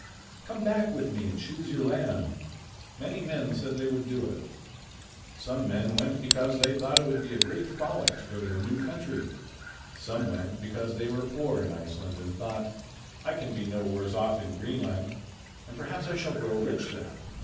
Come back with me and choose your land." Many men said that they would do it. Some men went because they thought it would be a great frolic to go to a new country. Some went because they were poor in Iceland and thought: "I can be no worse off in Greenland, and perhaps I shall grow rich there."